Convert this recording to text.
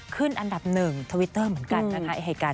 ขึ้นอันดับหนึ่งทวิตเตอร์เหมือนกันนะคะไอ้ไฮกัล